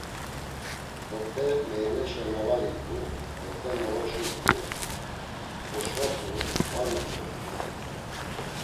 P̌ot̆e meyaneşa na var it̆u, p̌ot̆e na var şumt̆u, oşvapu var motzondurt̆u.